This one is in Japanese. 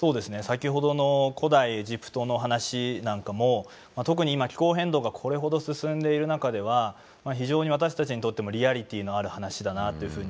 先ほどの古代エジプトの話なんかも特に今気候変動がこれほど進んでいる中では非常に私たちにとってもリアリティーのある話だなというふうに思うんですね。